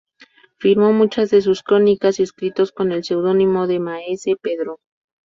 Firmó muchas de sus crónicas y escritos con el seudónimo de Maese Pedro.